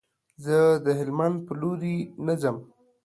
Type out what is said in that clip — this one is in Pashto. زه د هلمند په لوري نه ځم.